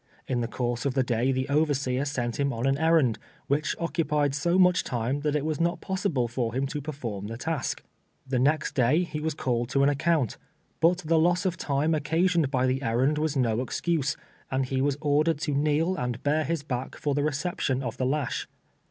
In the course of the day the overseer sent him on an errand, which occupied so much time that it was not possible for him to perform the task. The next day he was called to an account, but the loss of time oc casioned by the errand was no excuse, and he was ordered to kneel and bare his back for the reception of the lash.